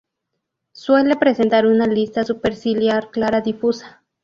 Suele presentar una lista superciliar clara difusa.